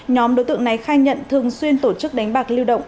nhóm đối tượng này khai nhận thường xuyên tổ chức đánh bạc lưu động